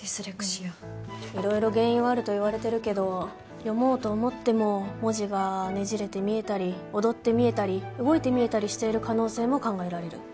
いろいろ原因はあるといわれてるけど読もうと思っても文字がねじれて見えたり踊って見えたり動いて見えたりしている可能性も考えられる。